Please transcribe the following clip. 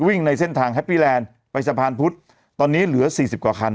ในเส้นทางแฮปปี้แลนด์ไปสะพานพุธตอนนี้เหลือสี่สิบกว่าคัน